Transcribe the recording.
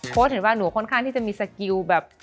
เพราะเห็นว่าหนูค่อนข้างที่จะมีสกิลแบบ